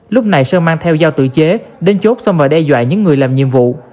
lúc này sơn mang theo dao tự chế đến chốt xông và đe dọa những người làm nhiệm vụ